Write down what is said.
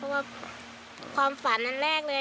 เพราะว่าความฝันอันแรกเลย